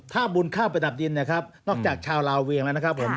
ถ้าบุญเข้าไปดับดินนะครับนอกจากชาวลาเวียงแล้วนะครับผม